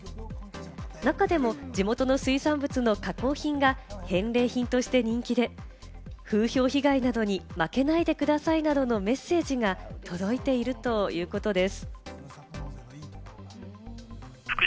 中でも地元の水産物の加工品が返礼品として人気で、風評被害などに負けないでくださいなどのメッセージが届いているということです。